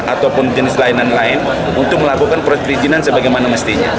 ataupun jenis lain lain untuk melakukan perizinan sebagaimana mestinya